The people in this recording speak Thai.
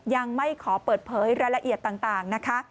ยังไม่ขอเปิดเผยรายละเอียดต่างนะคะ